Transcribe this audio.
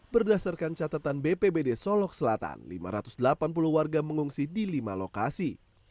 berdasarkan catatan bpbd solok selatan lima ratus delapan puluh warga mengungsi di lima lokasi